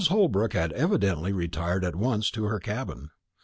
Holbrook had evidently retired at once to her cabin.